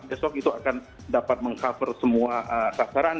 besok itu akan dapat meng cover semua sasaran